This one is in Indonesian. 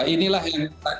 inilah yang kami lakukan